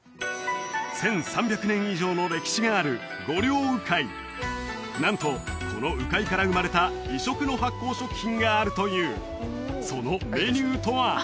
１３００年以上の歴史があるなんとこの鵜飼から生まれた異色の発酵食品があるというそのメニューとは？